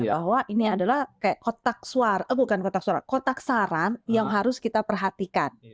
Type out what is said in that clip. bahwa ini adalah kayak kotak suara eh bukan kotak suara kotak saran yang harus kita perhatikan